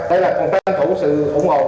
tức là công an thủ sự ủng hộ